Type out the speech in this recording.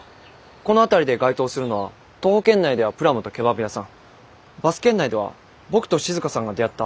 この辺りで該当するのは徒歩圏内ではぷらむとケバブ屋さんバス圏内では僕と静さんが出会ったあのファミレスのみです。